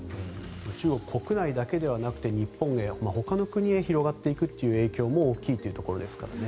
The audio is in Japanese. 中国国内だけではなくて日本やほかの国へ広がっていく影響も大きいというところですからね。